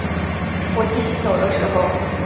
我继续走的时候